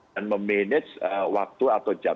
dan memanage waktu atau jangka